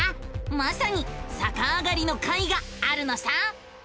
まさにさかあがりの回があるのさ！